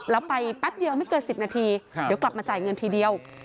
แล้วไปแป๊บเดียวไม่เกิน๑๐นาทีเดี๋ยวกลับมาจ่ายเงินทีเดียว